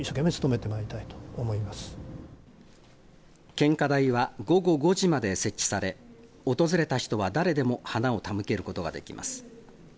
献花台は午後５時まで設置され訪れた人は誰でも花を手向けることができます。